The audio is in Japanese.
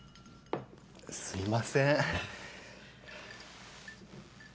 すいません。